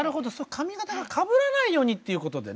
髪形がかぶらないようにっていうことでね。